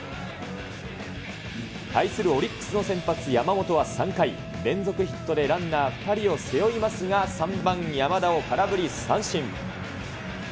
対するオリックスの先発、山本は３回、連続ヒットでランナー２人を背負いますが、３番山田を空振り三振。